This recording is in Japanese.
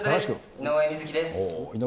井上瑞稀です。